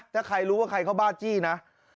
ถ้าใครรู้ว่าใครเขาบ้าจี้นะ